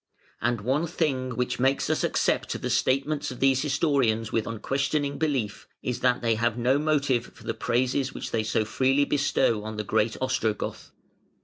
And one thing which makes us accept the statements of these historians with unquestioning belief is that they have no motive for the praises which they so freely bestow on the great Ostrogoth.